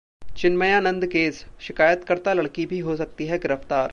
Chinmayanand case शिकायतकर्ता लड़की भी हो सकती है गिरफ्तार